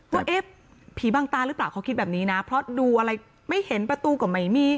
ว่าเอ๊ะผีบางตาหรือเปล่าเขาคิดแบบนี้นะเพราะดูอะไรไม่เห็นประตูก็ไม่มี